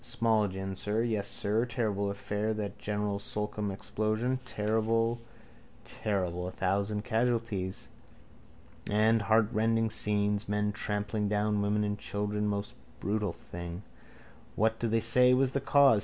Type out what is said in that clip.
A small gin, sir. Yes, sir. Terrible affair that General Slocum explosion. Terrible, terrible! A thousand casualties. And heartrending scenes. Men trampling down women and children. Most brutal thing. What do they say was the cause?